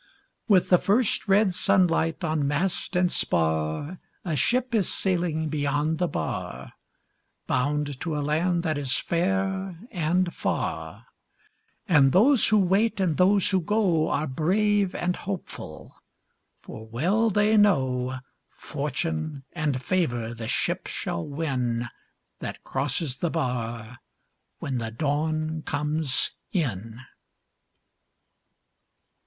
With the first red sunlight on mast and spar A ship is sailing beyond the bar, Bound to a land that is fair and far; And those who wait and those who go Are brave and hopeful, for well they know Fortune and favor the ship shall win That crosses the bar when the dawn comes in.